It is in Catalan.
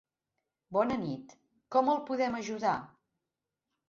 Bona nit, com el podem ajudar?